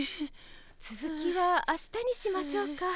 つづきは明日にしましょうか。